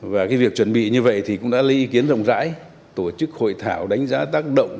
và việc chuẩn bị như vậy thì cũng đã lấy ý kiến rộng rãi tổ chức hội thảo đánh giá tác động